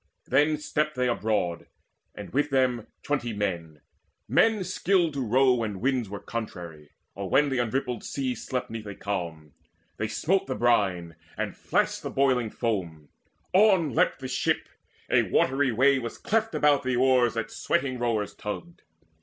Then stepped they aboard, and with them twenty men, Men skilled to row when winds were contrary, Or when the unrippled sea slept 'neath a calm. They smote the brine, and flashed the boiling foam: On leapt the ship; a watery way was cleft About the oars that sweating rowers tugged.